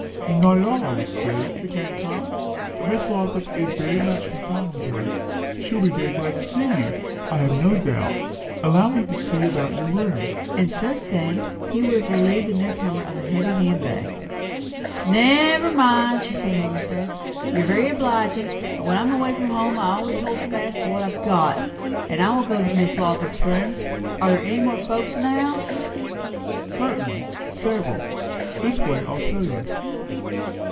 "Not at all, I should say," returned Tom; "but Miss Lothrop is very much confined with her. She will be very glad to see you, I have no doubt. Allow me to see about your room." And so saying, he would have relieved the new comer of a heavy handbag. "Never mind," she said, holding fast. "You're very obliging but when I'm away from home I always hold fast to whatever I've got; and I'll go to Miss Lothrop's room. Are there more folks in the house?" "Certainly. Several. This way I will show you."